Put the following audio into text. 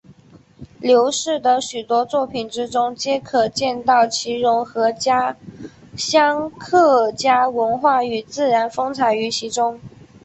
刘氏的许多作品之中皆可见到其融合家乡客家文化与自然风采于其中。